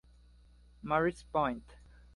Marys Point.